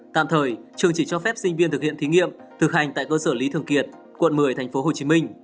tạm thời trường chỉ cho phép sinh viên thực hiện thí nghiệm thực hành tại cơ sở lý thường kiệt quận một mươi tp hcm